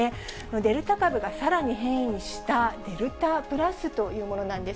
デルタ株がさらに変異した、デルタプラスというものなんです。